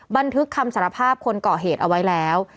บันทึกคำสารภาพคนก่อเหตุเอาไว้แล้ว